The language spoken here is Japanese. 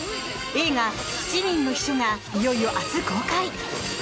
映画「七人の秘書」がいよいよ明日公開。